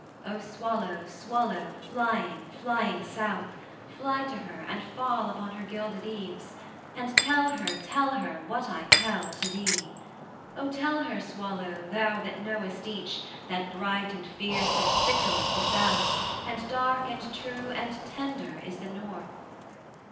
'O Swallow, Swallow, flying, flying South, Fly to her, and fall upon her gilded eaves, And tell her, tell her, what I tell to thee. 'O tell her, Swallow, thou that knowest each, That bright and fierce and fickle is the South, And dark and true and tender is the North.